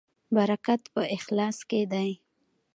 برکت په اخلاص کې دی